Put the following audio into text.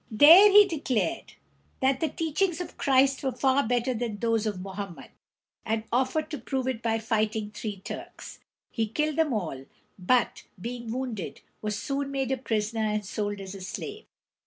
Here he declared that the teachings of Christ were far better than those of Mo ham´med, and offered to prove it by fighting three Turks. He killed them all, but, being wounded, was soon made a prisoner and sold as a slave.